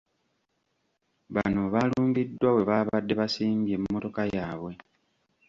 Bano baalumbiddwa we baabadde baasimbye mmotoka yaabwe.